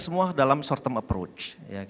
semua dalam short term approach